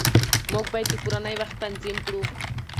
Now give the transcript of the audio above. موږ باید د کورنۍ وخت تنظیم کړو